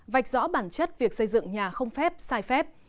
vạch rõ bản chất việc xây dựng nhà không phép sai phép